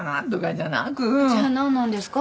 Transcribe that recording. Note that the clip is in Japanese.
じゃあ何なんですか？